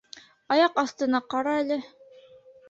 — Аяҡ аҫтына ҡара әле!